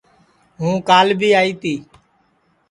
ہُوں کال بھی آئی تی